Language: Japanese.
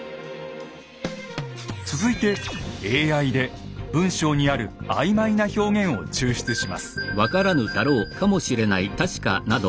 続いてＡＩで文章にある曖昧な表現を抽出します。